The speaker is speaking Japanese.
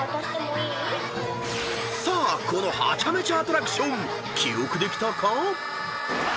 ［さあこのハチャメチャアトラクション記憶できたか？］